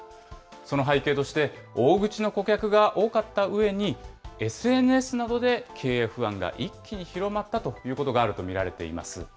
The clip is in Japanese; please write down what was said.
その背景として、大口の顧客が多かったうえに、ＳＮＳなどで経営不安が一気に広がったということがあると見られています。